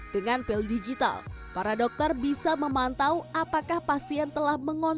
dengan pil digital para dokter bisa memantau apakah pil ini berhasil diunggah secara langsung